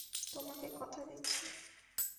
তোমাকে কথা দিচ্ছি।